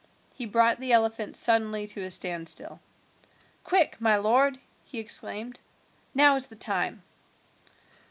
He brought the elephant suddenly to a standstill. "Quick, my lord," he exclaimed, "now is the time."